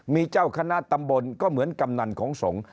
มีเจ้าคณะตำบลก็เหมือนกำนันของสงฆ์